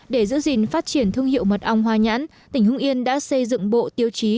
để giữ gìn phát triển thương hiệu mật ong hoa nhãn tỉnh hưng yên đã xây dựng bộ tiêu chí